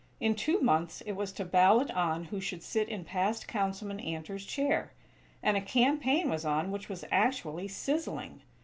In two months it was to ballot on who should sit in past Councilman Antor's chair; and a campaign was on which was actually sizzling.